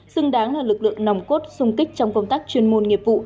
xứng đáng là lực lượng nòng cốt sung kích trong công tác chuyên môn nghiệp vụ